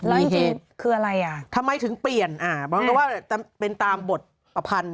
แล้วจริงคืออะไรอ่ะทำไมถึงเปลี่ยนว่าเป็นตามบทประพันธ์